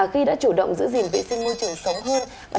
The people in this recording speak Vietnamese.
khi đã chủ động giữ gìn vệ sinh môi trường sống hơn